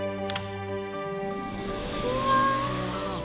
うわ！